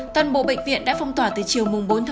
toàn bộ bệnh viện đã phong tỏa từ chiều bốn một mươi